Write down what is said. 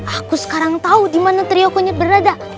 aku sekarang tahu gimana trio kunyit berada